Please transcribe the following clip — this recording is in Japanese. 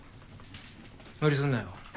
無理すんなよ。